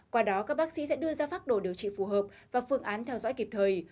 qua đó các bác sĩ sẽ đưa ra pháp đồ điều trị phù hợp và phương án theo dõi kịp thời